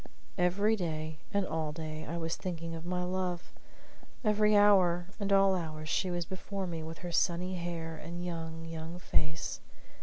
Every day and all day I was thinking of my love; every hour and all hours she was before me with her sunny hair and young, young face.